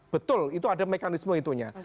betul itu ada mekanisme itunya